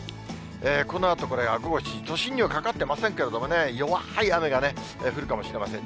このあとこれは午後７時、都心にはかかってませんけれどもね、弱ーい雨が降るかもしれません。